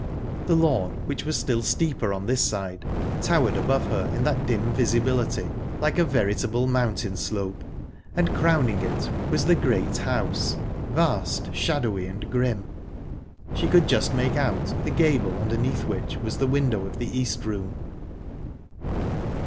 The lawn, which was still steeper on this side, towered above her in that dim visibility like a veritable mountain slope, and crowning it was the great house, vast, shadowy, and grim. She could just make out the gable underneath which was the window of the East Room.